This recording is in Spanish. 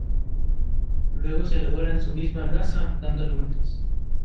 Luego se le dora en su misma grasa dándole vueltas.